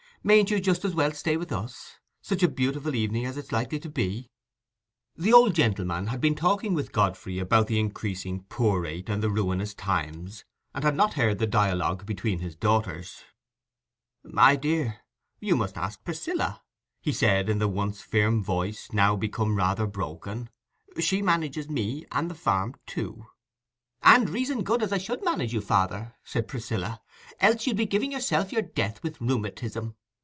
Mayn't you just as well stay with us?—such a beautiful evening as it's likely to be." The old gentleman had been talking with Godfrey about the increasing poor rate and the ruinous times, and had not heard the dialogue between his daughters. "My dear, you must ask Priscilla," he said, in the once firm voice, now become rather broken. "She manages me and the farm too." "And reason good as I should manage you, father," said Priscilla, "else you'd be giving yourself your death with rheumatism.